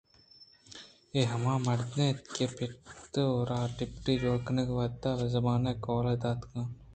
اے ہمامرد اَت کہ پت ءَ را ڈپٹی جوڑ کنگ ءِ وتی زبان ءَ قولے داتگ اَت